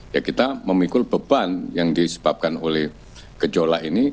ya kita memikul beban yang disebabkan oleh gejolak ini